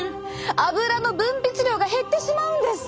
アブラの分泌量が減ってしまうんです。